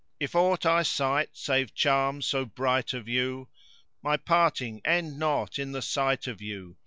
If aught I sight save charms so bright of you; * My parting end not in the sight of you!